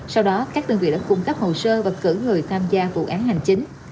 sau đó các đơn vị đã cung cấp hồ sơ và cử người tham gia vụ án hành chính